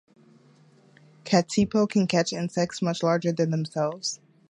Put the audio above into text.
Katipo can catch insects much larger than themselves.